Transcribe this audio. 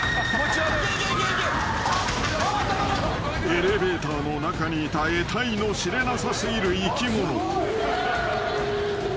［エレベーターの中にいたえたいの知れなさ過ぎる生き物］